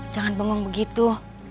jangan bengong begitu